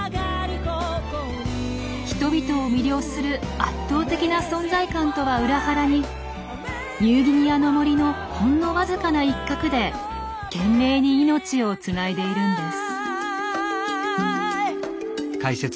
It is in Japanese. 人々を魅了する圧倒的な存在感とは裏腹にニューギニアの森のほんのわずかな一角で懸命に命をつないでいるんです。